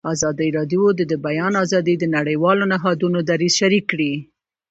ازادي راډیو د د بیان آزادي د نړیوالو نهادونو دریځ شریک کړی.